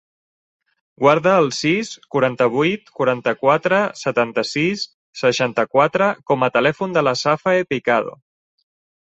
Guarda el sis, quaranta-vuit, quaranta-quatre, setanta-sis, seixanta-quatre com a telèfon de la Safae Picado.